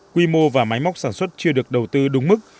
quy mô và máy móc sản xuất chưa được đầu tư đúng mức